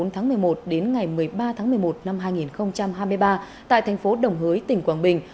tháng một mươi một đến ngày một mươi ba tháng một mươi một năm hai nghìn hai mươi ba tại thành phố đồng hới tỉnh quảng bình